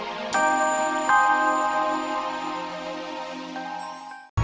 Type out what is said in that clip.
aku ingin menikmati juwita aku selama bertahun tahun